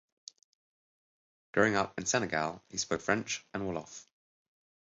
Growing up in Senegal he spoke French and Wolof.